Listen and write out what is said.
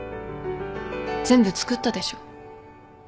全部つくったでしょ？